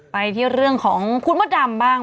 ไปที่เรื่องของคุณมดดำบ้าง